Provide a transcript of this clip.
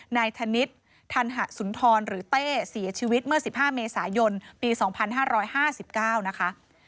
นายธนิษฐ์ธันหสุนทรหรือเต้เสียชีวิตเมื่อ๑๕เมษายนปี๒๕๕๙นะคะ